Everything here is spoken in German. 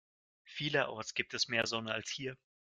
Vielerorts gibt es mehr Sonne als hier.